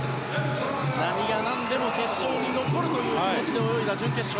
何がなんでも決勝に残るという気持ちで泳いだ準決勝。